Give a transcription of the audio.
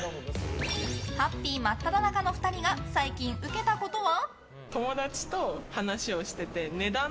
ハッピーな真っただ中の２人が最近ウケたことは。